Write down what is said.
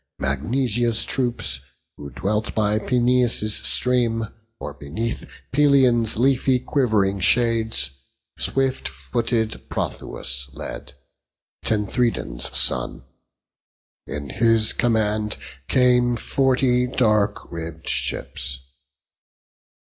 Magnesia's troops, who dwelt by Peneus' stream, Or beneath Pelion's leafy quiv'ring shades, Swift footed Prothous led, Tenthredon's son; In his command came forty dark ribb'd ships.